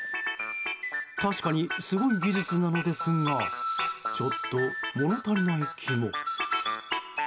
確かにすごい技術なのですがちょっと物足りない気も。